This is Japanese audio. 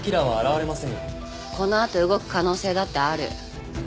このあと動く可能性だってある。